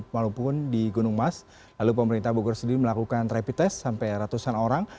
walaupun di gunung mas lalu pemerintah bogor sendiri melakukan rapid test sampai ratusan orang